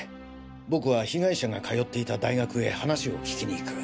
僕は被害者が通っていた大学へ話を聞きに行く。